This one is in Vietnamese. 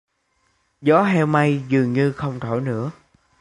Gió heo may dường như không thổi nữa